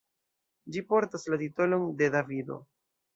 Ĝi portas la titolon: "De Davido.